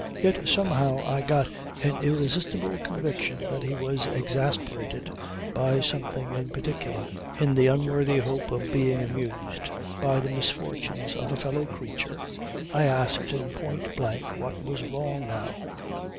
Yet somehow I got an irresistible conviction that he was exasperated by something in particular. In the unworthy hope of being amused by the misfortunes of a fellow creature I asked him point blank what was wrong now.